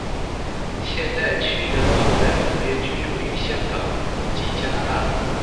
现在区德的后代分别居住于香港及加拿大。